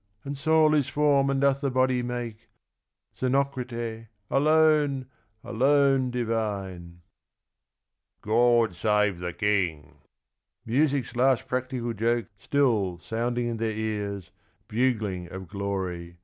And soul is form and doth the body make." Xenocrate, alone, alone divine !" God save the King." Music's last practical joke Still sounding in their ears, bugling of glory.